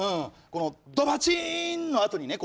この「ドバチン！」のあとにね